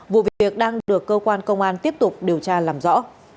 vụ việc đang được cơ quan công an tiếp tục điều tra làm rõ